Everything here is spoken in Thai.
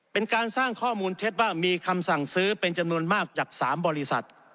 เป็นการสร้างข้อมูลเท็จว่ามีคำสั่งซื้อเป็นจำนวนมากจาก๓บริษัท